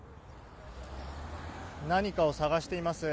何かを探しています。